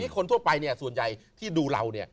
คนทั่วไปเนี่ยส่วนใหญ่ที่ดูเราเนี่ย